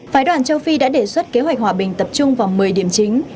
phái đoàn châu phi đã đề xuất kế hoạch hòa bình tập trung vào một mươi điểm chính